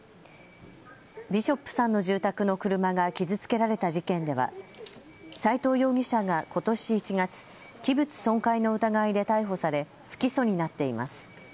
ビショップさんの住宅の車が傷つけられた事件では斎藤容疑者がことし１月、器物損壊の疑いで逮捕され不起訴になっています。